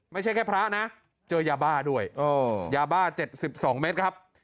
ไม่ใช่แค่พระนะเจอยาบ้าด้วยยาบ้า๗๒เมตรครับ